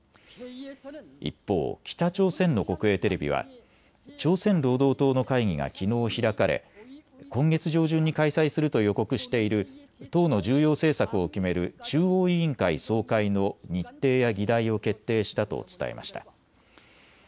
一方、北朝鮮の国営テレビは朝鮮労働党の会議がきのう開かれ今月上旬に開催すると予告している党の重要政策を決める中央委員会総会の日程や議題を決定したと伝えました。